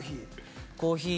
コーヒー。